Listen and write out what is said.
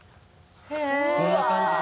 こんな感じで。